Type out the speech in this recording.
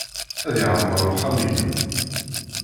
Ad yeɛmer uxxam-inu.